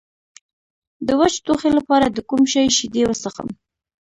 د وچ ټوخي لپاره د کوم شي شیدې وڅښم؟